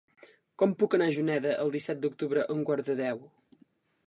Com puc anar a Juneda el disset d'octubre a un quart de deu?